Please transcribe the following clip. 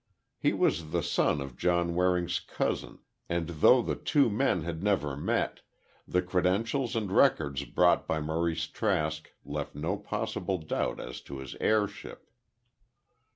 He was the son of John Waring's cousin, and though the two men had never met, the credentials and records brought by Maurice Trask left no possible doubt as to his heirship.